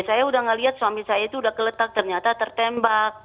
saya udah melihat suami saya itu udah keletak ternyata tertembak